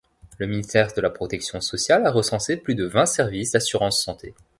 Le Ministère de la protection sociale a recensé plus de vingt services d'assurance santé.